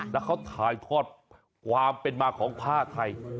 แล้วเขาถ่ายทอดความเป็นมาของผ้าไทย